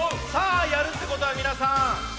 さあやるってことはみなさん